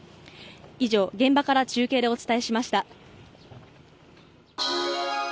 以上、現場から中継でお伝えしました。